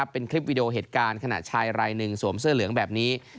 เป็นคลิปวิดีโอเหตุการณ์ขณะชายรายหนึ่งสวมเสื้อเหลืองแบบนี้